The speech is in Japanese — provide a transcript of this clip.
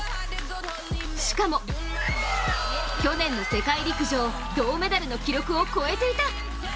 しかも、去年の世界陸上銅メダルの記録を超えていた。